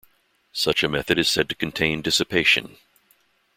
Such a method is said to contain 'dissipation'.